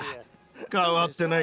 変わってないね。